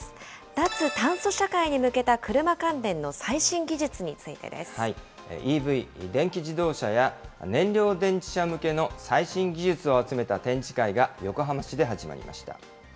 脱炭素社会に向けた車関連の最新ＥＶ・電気自動車や、燃料電池車向けの最新技術を集めた展示会が横浜市で始まりました。